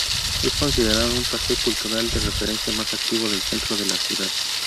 Es considerada un paseo cultural de referencia más activo del centro de la ciudad.